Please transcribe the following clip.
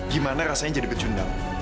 gimana rasanya jadi pecundang